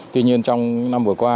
tuy nhiên trong năm vừa qua